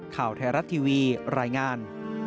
ข่าวไทยรัฐทีวีรายงาน